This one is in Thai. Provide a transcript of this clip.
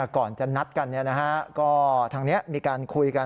ก่อนจะนัดกันก็ทางนี้มีการคุยกัน